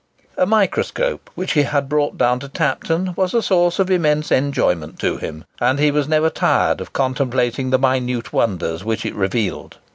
A microscope, which he had brought down to Tapton, was a source of immense enjoyment to him; and he was never tired of contemplating the minute wonders which it revealed.